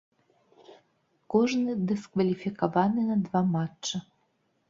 Кожны дыскваліфікаваны на два матчы.